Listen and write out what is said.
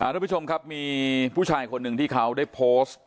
ทุกผู้ชมครับมีผู้ชายคนหนึ่งที่เขาได้โพสต์